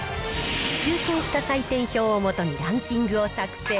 集計した採点表をもとに、ランキングを作成。